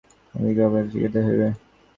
আমাদিগকে অপরের নিকট শিখিতে হইবে।